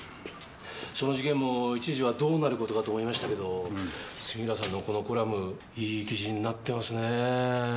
その事件も一時はどうなる事かと思いましたけど杉浦さんのこのコラムいい記事になってますねぇ。